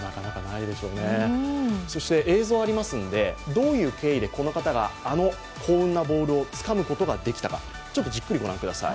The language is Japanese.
どういう経緯でこの方があの幸運のボールをつかむことができたか、じっくりご覧ください。